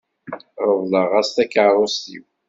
Reḍleɣ-as takeṛṛust-iw.